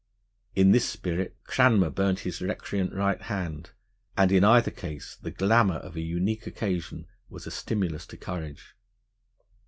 In this spirit Cranmer burnt his recreant right hand, and in either case the glamour of a unique occasion was a stimulus to courage.